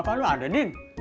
bapak lo ada ding